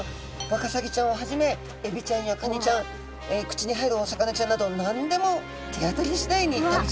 ワカサギちゃんをはじめエビちゃんやカニちゃん口に入るお魚ちゃんなど何でもてあたりしだいに食べちゃいます。